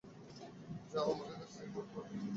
যাও, আমার কাছে তোমাদের পাওয়ার কিছুই নেই।